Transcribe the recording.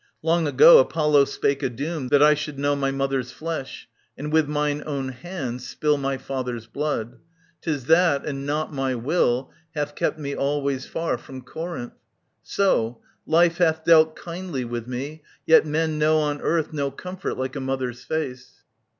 Long ago Apollo spake a doom, that I should know My mother's flesh, and with mine own hand spill My father's blood. — 'Tis that, and no* my will. Hath kept me always far from Corinth. So ; Life hath dealt kindly with me, yet men know On earth no comfort like a mother's fzcc.